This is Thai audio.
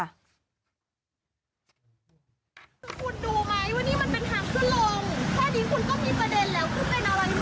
คุณดูมั้ยว่านี่มันเป็นหักขึ้นลง